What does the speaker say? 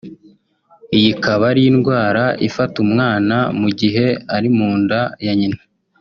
iyi ikaba ari indwara ifata umwana mu gihe ari mu nda ya nyina